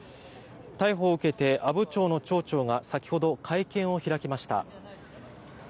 逮捕を受けて阿武町の町長が先ほど会見を開きました。